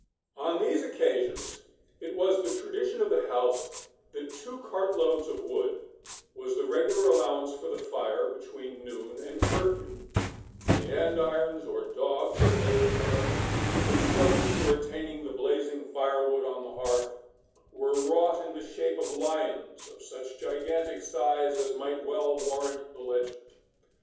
On these occasions, it was the tradition of the house, that two cart loads of wood was the regular allowance for the fire between noon and curfew, and the andirons, or dogs, as they were termed, constructed for retaining the blazing firewood on the hearth, were wrought in the shape of lions of such gigantic size as might well warrant the legend.